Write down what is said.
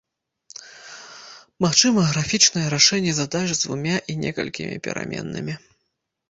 Магчыма графічнае рашэнне задач з дзвюма і некалькімі пераменнымі.